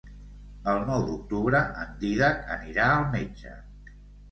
El nou d'octubre en Dídac anirà al metge.